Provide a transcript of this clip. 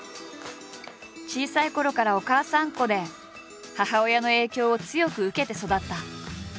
小さいころからお母さんっ子で母親の影響を強く受けて育った。